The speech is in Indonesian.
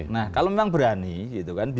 nah kalau memang berani gitu kan